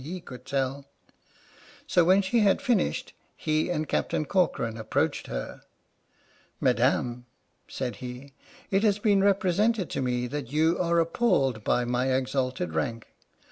S. "PINAFORE" could tell. So when she had finished, he and Cap tain Corcoran approached her. " Madam," said he, " it has been represented to me that you are appalled by my exalted rank.